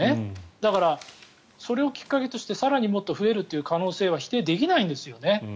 だから、それをきっかけとして更にもっと増えるという可能性は否定できないんですよね。